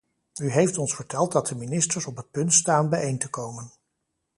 U heeft ons verteld dat de ministers op het punt staan bijeen te komen.